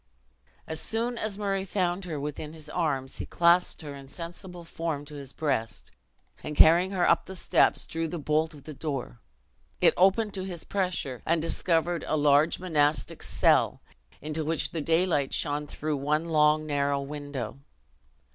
As soon as Murray found her within his arms, he clasped her insensible form to his breast, and carrying her up the steps, drew the bolt of the door. It opened to his pressure, and discovered a large monastic cell, into which the daylight shone through one long narrow window.